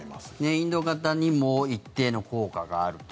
インド型にも一定の効果があると。